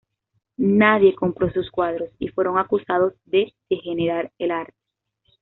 Nadie compró sus cuadros y fueron acusados de degenerar el arte".